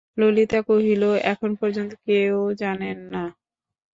ললিতা কহিল, এখন পর্যন্ত কেউ জানেন না।